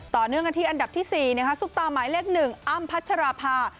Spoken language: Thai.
ต่อเนื่องกันที่อันดับที่๔ซุปตาหมายเลข๑อ้ำพัชราภา